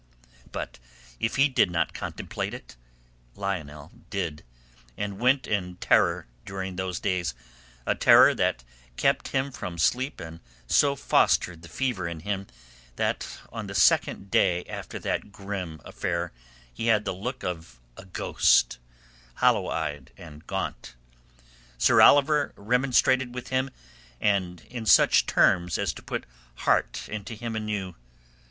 But if he did not contemplate it, Lionel did, and went in terror during those days, a terror that kept him from sleep and so fostered the fever in him that on the second day after that grim affair he had the look of a ghost, hollow eyed and gaunt. Sir Oliver remonstrated with him and in such terms as to put heart into him anew.